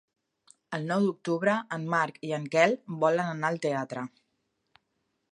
El nou d'octubre en Marc i en Quel volen anar al teatre.